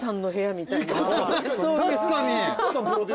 確かに。